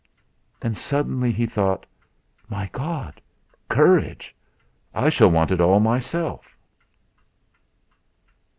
And suddenly he thought: 'My God! Courage! I shall want it all myself!'